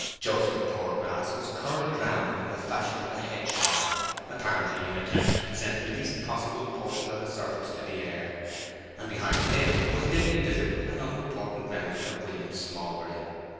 Joseph Poorgrass was curled round in the fashion of a hedge hog, apparently in attempts to present the least possible portion of his surface to the air; and behind him was dimly visible an unimportant remnant of William Smallbury.